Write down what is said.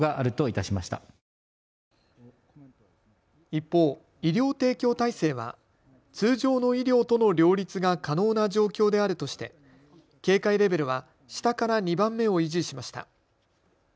一方、医療提供体制は通常の医療との両立が可能な状況であるとして警戒レベルは下から２番目を維持しました。